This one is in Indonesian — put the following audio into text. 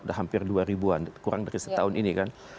sudah hampir dua ribu an kurang dari setahun ini kan